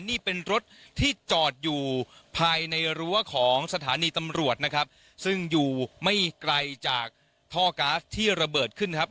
นี่เป็นรถที่จอดอยู่ภายในรั้วของสถานีตำรวจนะครับซึ่งอยู่ไม่ไกลจากท่อก๊าซที่ระเบิดขึ้นนะครับ